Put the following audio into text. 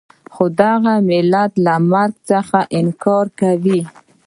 خو دغه ملت له مرګ څخه انکار کوي.